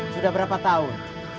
sudah berapa tahun